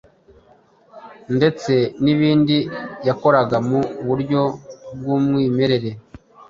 ndetse n’ibindi yakoraga mu buryo bw’umwimerere.